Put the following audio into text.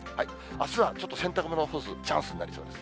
あすはちょっと洗濯物を干すチャンスです。